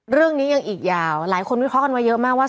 เรื่องนี้ยังอีกยาวหลายคนวิเคราะห์กันไว้เยอะมากว่า